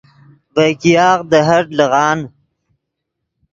ڤے ګیاغ دے ہٹ لیغان